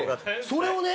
それをね